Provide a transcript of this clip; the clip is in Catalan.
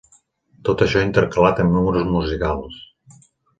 Tot això intercalat amb números musicals.